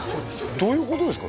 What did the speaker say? どういうことですか？